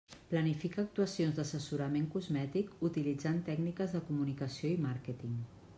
Planifica actuacions d'assessorament cosmètic utilitzant tècniques de comunicació i màrqueting.